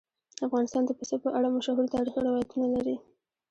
افغانستان د پسه په اړه مشهور تاریخی روایتونه لري.